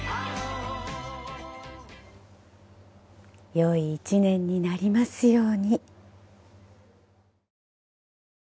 良い１年になりますように。